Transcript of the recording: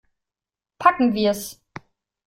Packen wir's!